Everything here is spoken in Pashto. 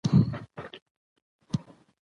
د مسلکي زده کړو مرکزونه کاري فرصتونه برابروي.